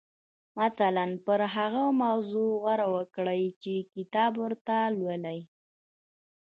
مثلاً پر هغه موضوع غور وکړئ چې کتاب ورته لولئ.